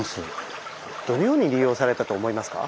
どのように利用されたと思いますか？